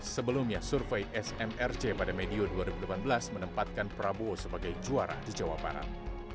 sebelumnya survei smrc pada medio dua ribu delapan belas menempatkan prabowo sebagai juara di jawa barat